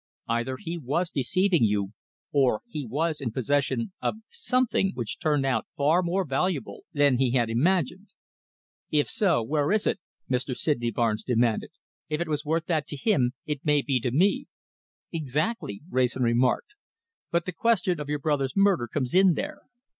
Either he was deceiving you, or he was in possession of something which turned out far more valuable than he had imagined." "If so, where is it?" Mr. Sydney Barnes demanded. "If it was worth that to him, it may be to me." "Exactly," Wrayson remarked, "but the question of your brother's murder comes in there.